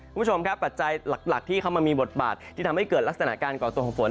คุณผู้ชมครับปัจจัยหลักที่เข้ามามีบทบาทที่ทำให้เกิดลักษณะการก่อตัวของฝน